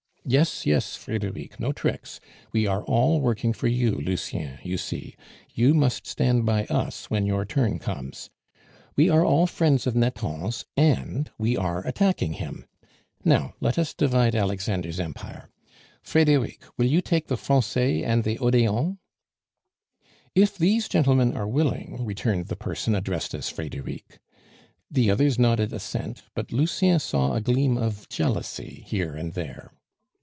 "Yes, yes, Frederic; no tricks. We are all working for you, Lucien, you see; you must stand by us when your turn comes. We are all friends of Nathan's, and we are attacking him. Now, let us divide Alexander's empire. Frederic, will you take the Francais and the Odeon?" "If these gentlemen are willing," returned the person addressed as Frederic. The others nodded assent, but Lucien saw a gleam of jealousy here and there.